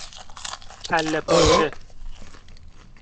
کله پاچه